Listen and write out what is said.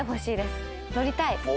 乗りたい。